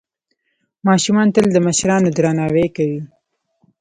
ماشومان تل د مشرانو درناوی کوي.